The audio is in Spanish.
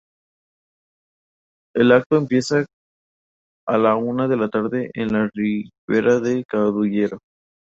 El acto empieza a la una de la tarde en la Ribera de Cudillero.